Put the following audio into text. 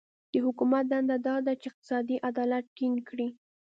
د حکومت دنده دا ده چې اقتصادي عدالت ټینګ کړي.